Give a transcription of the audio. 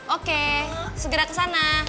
oke segera kesana